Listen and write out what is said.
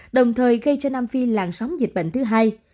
đồng thời gây cho nam phi làn sóng dịch bệnh thứ hai